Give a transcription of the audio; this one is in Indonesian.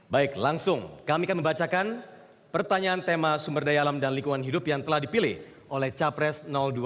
baik langsung kami akan membacakan pertanyaan tema sumber daya alam dan lingkungan hidup yang telah dipilih oleh capres dua